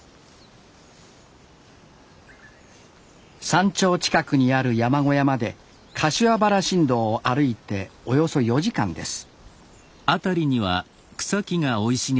山頂近くにある山小屋まで柏原新道を歩いておよそ４時間です